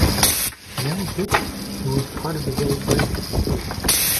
Mel Dibble, who was part of Billy Graham Crusades.